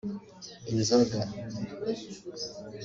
inzoga